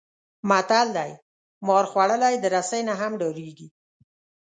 متل دی: مار خوړلی د رسۍ نه هم ډارېږي.